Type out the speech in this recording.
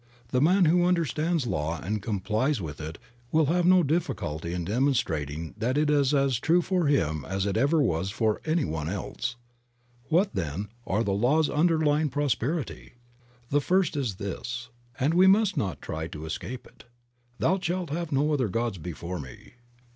The man who under stands law and complies with it will have no difficulty in demonstrating that it is as true for him as it ever was for any one else. What, then, are the laws underlying prosper ity? The first is this, and we must not try to escape it: "Thou shalt have no other Gods before me."